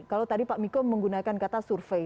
kalau tadi pak miko menggunakan kata survei